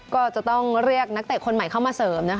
ก็จะต้องเรียกนักเตะคนใหม่เข้ามาเสริม